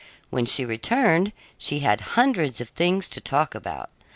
When she returned she had hundreds of things to talk about.